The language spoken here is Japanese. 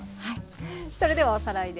それではおさらいです。